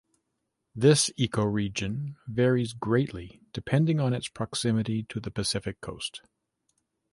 This ecoregion varies greatly depending on its proximity to the Pacific coast.